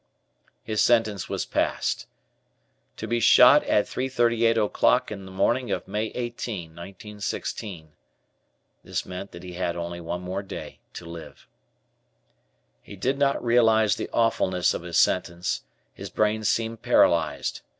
His sentence was passed: "To be shot at 3:38 o'clock on the morning of May 18, 1916." This meant that he had only one more day to live. He did not realize the awfulness of his sentence, his brain seemed paralyzed.